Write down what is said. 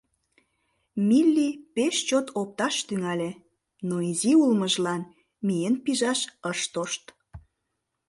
Милли пеш чот опташ тӱҥале, но изи улмыжлан миен пижаш ыш тошт.